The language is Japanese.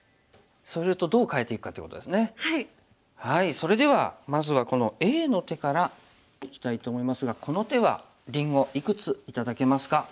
それではまずはこのＡの手からいきたいと思いますがこの手はりんごいくつ頂けますか？